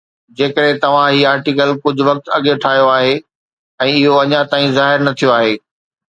جيڪڏھن توھان ھي آرٽيڪل ڪجھ وقت اڳ ٺاھيو آھي ۽ اھو اڃا تائين ظاهر نه ٿيو آھي